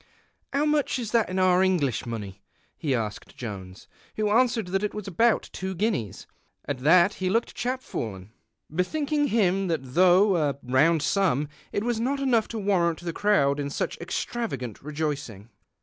'* How much is that in our English money ?' he asked Joins, who answered that it was al)out two guineas. .\t that he looked cha})fallen, bethinking him tlial, though a 28 PASTICHE AND PREJUDICE round sum, it was not enough to warrant the crowd in such extravagant rejoicing.